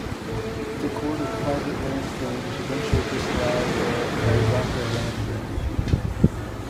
The Court of Private Land Claims eventually disallowed the Arivaca Land Grant.